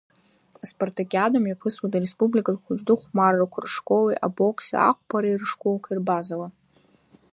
Аспартакиада мҩаԥысуеит Ареспубликатә хәыҷтәы хәмаррақәа ршколи, абокси ақәԥареи ршколқәеи рбазала.